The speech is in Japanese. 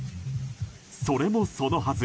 それもそのはず。